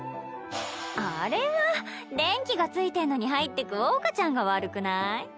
あれは電気がついてんのに入ってく桜花ちゃんが悪くない？